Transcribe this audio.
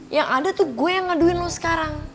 yang ada tuh gue yang ngaduin lo sekarang